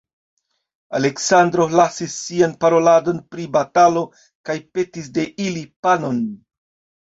Aleksandro lasis sian paroladon pri batalo kaj petis de ili panon.